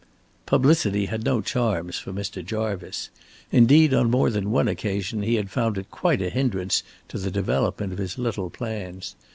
Publicity had no charms for Mr. Jarvice. Indeed, on more than one occasion he had found it quite a hindrance to the development of his little plans.